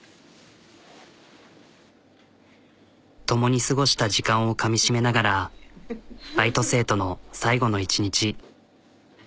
共に過ごした時間をかみしめながらバイト生との最後の１日。